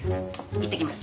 いってきます。